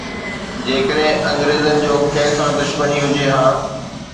جيڪڏهن انگريزن جو ڪنهن سان دشمني هجي ها.